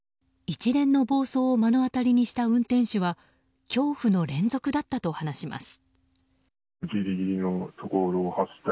一連の暴走を目の当たりにした運転手は恐怖の連続だったと話します。